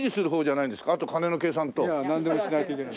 なんでもしないといけない。